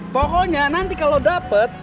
pokoknya nanti kalo dapet